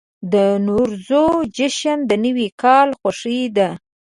د نوروز جشن د نوي کال خوښي ده.